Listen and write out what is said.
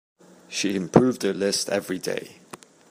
She improved her list every day.